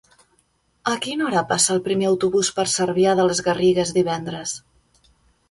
A quina hora passa el primer autobús per Cervià de les Garrigues divendres?